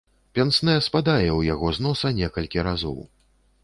Пенснэ спадае ў яго з носа некалькі разоў.